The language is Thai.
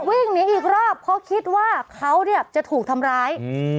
วิ่งหนีอีกรอบเพราะคิดว่าเขาเนี่ยจะถูกทำร้ายอืม